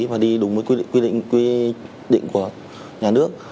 và đi đúng với quy định của nhà nước